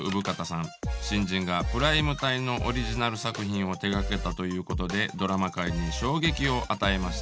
新人がプライム帯のオリジナル作品を手がけたということでドラマ界に衝撃を与えました。